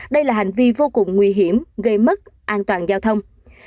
đây là hành vi vô cùng nguy hiểm gây mất an toàn giao thông